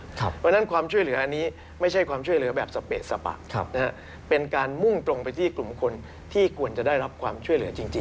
เพราะฉะนั้นความช่วยเหลืออันนี้ไม่ใช่ความช่วยเหลือแบบสเปะสปะเป็นการมุ่งตรงไปที่กลุ่มคนที่ควรจะได้รับความช่วยเหลือจริง